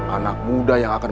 anak muda yang akan